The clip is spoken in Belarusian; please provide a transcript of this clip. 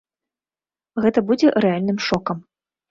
Гэта будзе рэальным шокам.